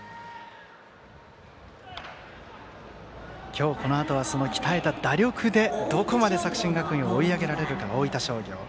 今日、このあとは鍛えた打力でどこまで作新学院を追い上げられるか、大分商業。